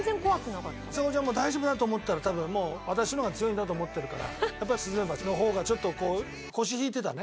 ちさ子ちゃんも大丈夫だと思ったら多分もう私の方が強いんだと思ってるからやっぱりスズメバチの方がちょっとこう腰引いてたね。